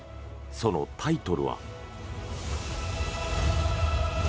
そのタイトルは。